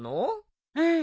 うん。